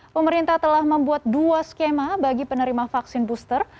pemerintah telah membuat dua skema bagi penerima vaksin booster